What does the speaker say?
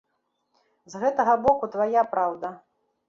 З гэтага боку твая праўда.